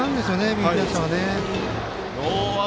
右打者はね。